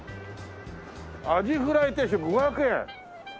「アジフライ定食５００円」！